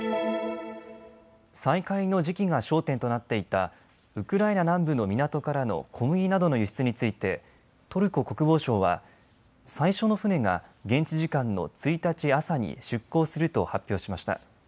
再開の時期が焦点となっていたウクライナ南部の港からの小麦などの輸出についてトルコ国防省は最初の船が現地時間の１日朝に出港すると発表しました。